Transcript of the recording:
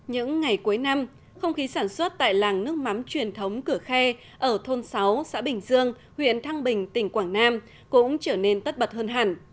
những ngày cuối năm không khí sản xuất tại làng nước mắm truyền thống cửa khe ở thôn sáu xã bình dương huyện thăng bình tỉnh quảng nam cũng trở nên tất bật hơn hẳn